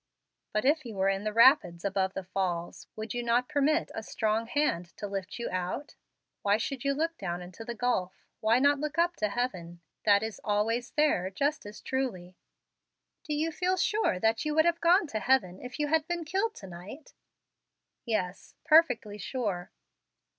"But if you were in the rapids above the falls, would you not permit a strong hand to lift you out? Why should you look down into the gulf? Why not look up to heaven? That is 'always there' just as truly." "Do you feel sure that you would have gone to heaven if you had been killed to night?" "Yes, perfectly sure."